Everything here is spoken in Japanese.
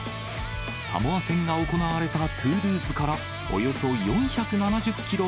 サモア戦が行われたトゥールーズからおよそ４７０キロ